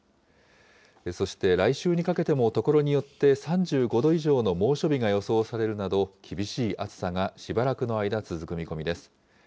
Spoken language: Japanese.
そして来週にかけても所によって、３５度以上の猛暑日が予想されるなど、厳しい暑さがしばらくの間、続く見込みです。